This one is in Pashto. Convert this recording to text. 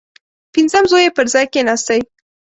پنځم زوی یې پر ځای کښېنستی.